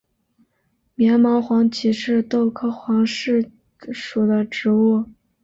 棉毛黄耆是豆科黄芪属的植物。